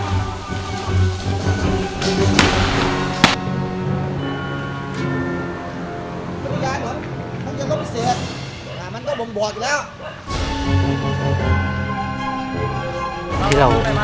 แล้วมันก็บ่มบ่อดอีกแล้ว